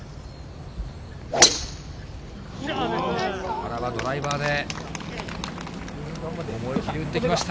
原はドライバーで思い切り打ってきました。